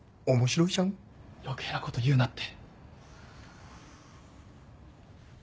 余計なこと言うなって。